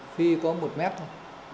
khi có một mét thôi